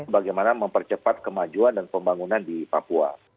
bagaimana mempercepat kemajuan dan pembangunan di papua